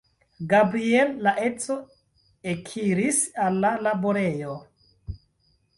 Gabriel, la edzo, ekiris al la laborejo.